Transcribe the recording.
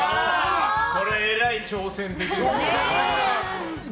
これ、えらい挑戦的ですね。